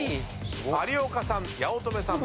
有岡さん八乙女さん